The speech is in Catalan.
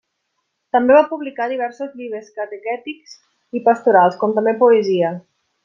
També va publicar diversos llibres catequètics i pastorals, com també poesia.